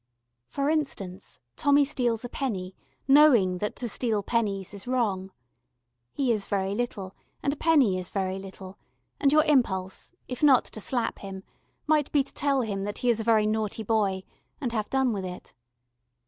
For instance, Tommy steals a penny, knowing that to steal pennies is wrong. He is very little, and a penny is very little, and your impulse, if not to slap him, might be to tell him that he is a very naughty boy and have done with it.